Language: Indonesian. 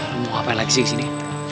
lu mau ngapain lagi sih disini